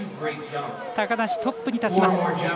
高梨、トップに立ちます。